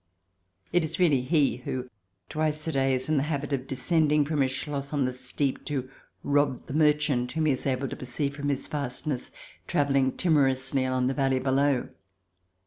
It is really he, who, twice a day, is in the habit of descending from his Schloss on the steep to rob the merchant, whom he is able to perceive from his fastness, travelling timorously along the valley below.